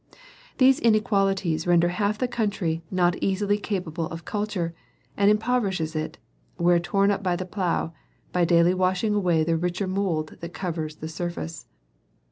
These inequalities render half the country not easily capable of culture, and impoverishes it, where torn up by the plow, by daily washing away the richer mould that covers the surface.